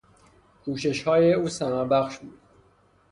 کوشش های او ثمر بخش بود.